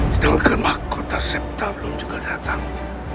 jangan kenal kota septa belum juga datang